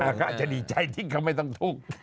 เขาอาจจะดีใจที่เขาไม่ต้องทุกข์